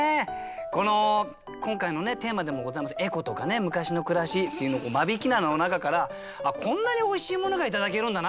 この今回のテーマでもございます「エコ」とか「昔の暮らし」っていうのを間引菜の中からこんなにおいしいものがいただけるんだな。